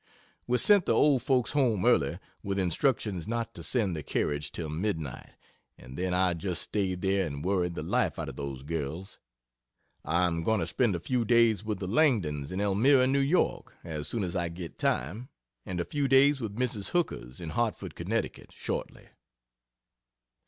We sent the old folks home early, with instructions not to send the carriage till midnight, and then I just staid there and worried the life out of those girls. I am going to spend a few days with the Langdon's in Elmira, New York, as soon as I get time, and a few days at Mrs. Hooker's in Hartford, Conn., shortly.